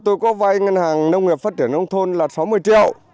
tôi vây ngân hàng nông nghiệp phát triển nông thôn là sáu mươi triệu